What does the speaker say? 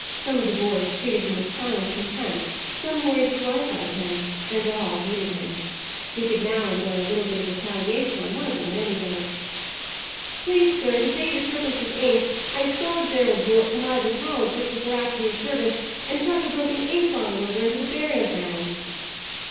Some of the boys treated him with silent contempt, some worried his life out of him, and all hated him. He could now enjoy a little bit of retaliation on one of them, at any rate. "Please, sir, the day the surplice was inked, I saw Gerald Yorke come out of the college just before afternoon service, and chuck a broken ink bottle over into the burial ground."